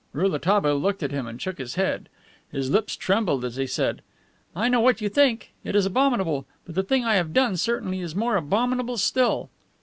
Rouletabille looked at him and shook his head. His lips trembled as he said, "I know what you think. It is abominable. But the thing I have done certainly is more abominable still."